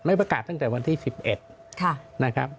ประกาศตั้งแต่วันที่๑๑นะครับ